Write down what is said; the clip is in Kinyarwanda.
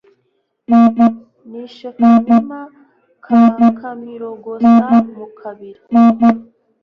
nishe kamima ka kamirogosa mu kabira